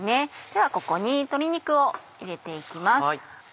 ではここに鶏肉を入れて行きます。